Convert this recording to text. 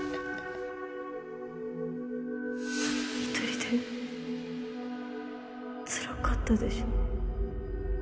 一人でつらかったでしょ？